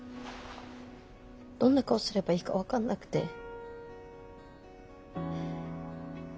どんな顔すればいいか分かんなくて。